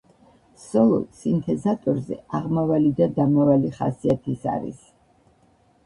სოლო სინთეზატორზე აღმავალი და დამავალი ხასიათის არის.